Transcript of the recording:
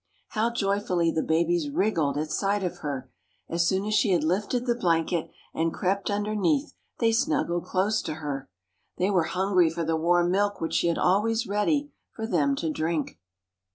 How joyfully the babies wriggled at sight of her! As soon as she had lifted the blanket and crept underneath they snuggled close to her. They were hungry for the warm milk which she had always ready for them to drink.